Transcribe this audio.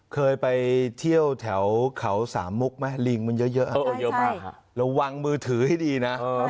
เคยไปเที่ยวแถวเขาสามมุกไหมลิงมันเยอะเยอะมากระวังมือถือให้ดีนะ